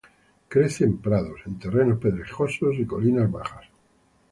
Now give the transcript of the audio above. Crece en prados, en terrenos pedregosos y colinas bajas.